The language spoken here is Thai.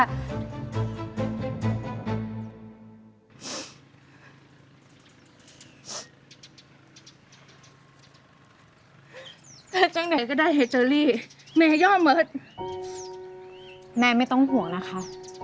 ได้จังใดก็ได้เฮจเจอรี่แม่ย่อเมิร์ดแม่ไม่ต้องห่วงแล้วค่ะ